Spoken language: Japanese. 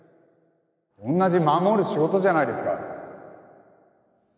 同じ護る仕事じゃないですか。